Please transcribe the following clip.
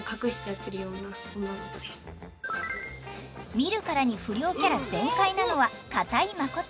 見るからに不良キャラ全開なのは片居誠。